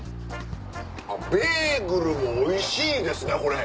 ベーグルもおいしいですねこれ。